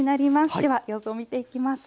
では様子を見ていきます。